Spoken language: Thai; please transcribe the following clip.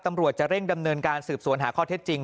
ตำรวจจะเร่งดำเนินการสืบสวนหาข้อเท็จจริง